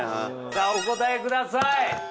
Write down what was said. さあお答えください。